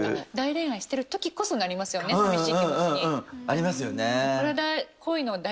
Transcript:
ありますよね。